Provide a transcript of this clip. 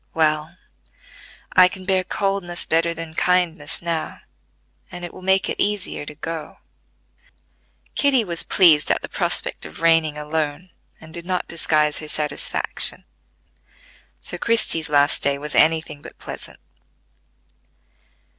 "Well, I can bear coldness better than kindness now, and it will make it easier to go." Kitty was pleased at the prospect of reigning alone, and did not disguise her satisfaction; so Christie's last day was any thing but pleasant.